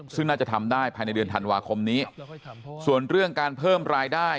ซึ่งน่าจะทำได้ภายในเดือนธันวาคมนี้ส่วนเรื่องการเพิ่มรายได้